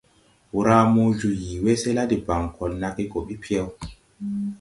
Wramo jo yii wɛsɛ la debaŋ, kɔl nage gɔ ɓi pyɛw.